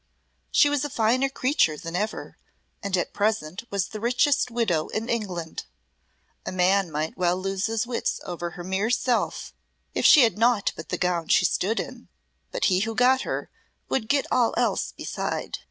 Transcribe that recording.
She was a finer creature than ever, and at present was the richest widow in England. A man might well lose his wits over her mere self if she had naught but the gown she stood in, but he who got her would get all else beside.